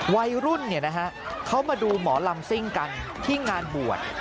วัยรุ่นเขามาดูหมอลำซิ่งกันที่งานบวช